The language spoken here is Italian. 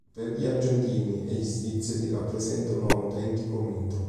Per gli argentini e gli svizzeri rappresenta un autentico mito.